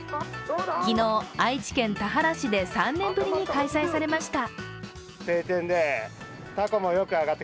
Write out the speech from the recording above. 昨日、愛知県田原市で３年ぶりに開催されました。